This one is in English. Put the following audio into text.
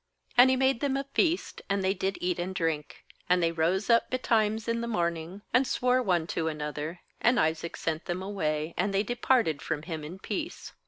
30And he made them a feast, and they did eat and drink. 31And they rose up betimes in the morning, and swore one to another; and Isaac sent them away, and they departed from him in peace.